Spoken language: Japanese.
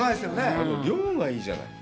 あの量がいいじゃない？